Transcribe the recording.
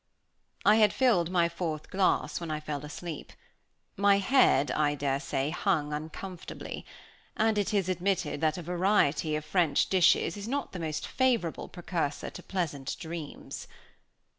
I had filled my fourth glass when I fell asleep. My head, I daresay, hung uncomfortably; and it is admitted that a variety of French dishes is not the most favorable precursor to pleasant dreams.